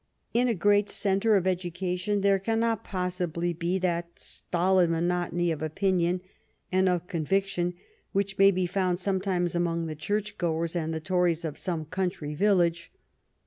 In a great centre of education there cannot possibly be that stolid monotony of opinion and of conviction which may be found sometimes among the church goers and the Tories of some country village.